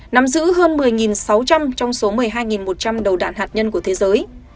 nắm giữ hơn một mươi sáu trăm linh trong số một mươi hai một trăm linh đầu đạn hạt nhân của thế giới